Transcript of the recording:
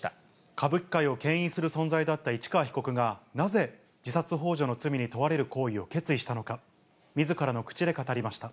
歌舞伎界をけん引する存在だった市川被告が、なぜ自殺ほう助の罪に問われる行為を決意したのか。